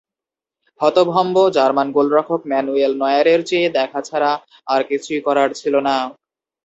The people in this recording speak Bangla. হতভম্ব জার্মান গোলরক্ষক ম্যানুয়েল নয়্যারের চেয়ে দেখা ছাড়া কিছুই করার ছিল না।